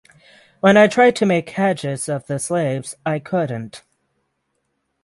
When I tried to make hedges of the slaves, I couldn't.